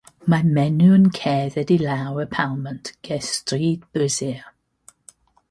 Mae menyw yn cerdded i lawr y palmant ger stryd brysur.